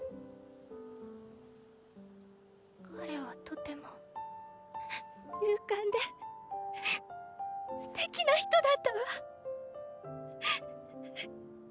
彼はとても勇敢で素敵な人だったわ。